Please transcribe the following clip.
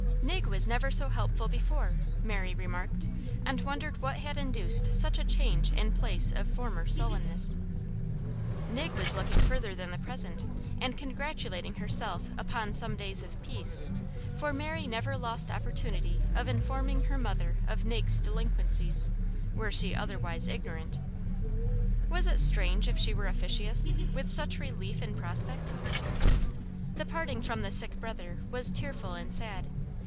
"Nig was never so helpful before," Mary remarked, and wondered what had induced such a change in place of former sullenness. Nig was looking further than the present, and congratulating herself upon some days of peace, for Mary never lost opportunity of informing her mother of Nig's delinquencies, were she otherwise ignorant. Was it strange if she were officious, with such relief in prospect? The parting from the sick brother was tearful and sad.